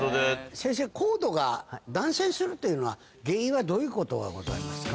先生、コードが断線するというのは、原因はどういうことがございますか？